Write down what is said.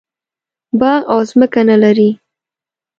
باغ او ځمکه نه لري.